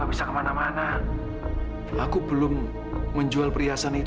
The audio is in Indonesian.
winona ngapain dia ngelamar kerja di sini